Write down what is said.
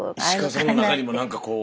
石川さんの中にも何かこう。